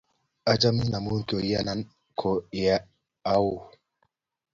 Achamin amun koiyanan kou ye au.